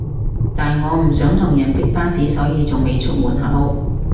但我唔想同人逼巴士所以仲未出門口